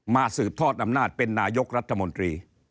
สืบทอดอำนาจเป็นนายกรัฐมนตรี